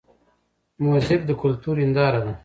موزیک د کلتور هنداره ده.